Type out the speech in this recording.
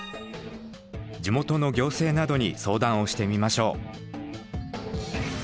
地元の行政などに相談をしてみましょう。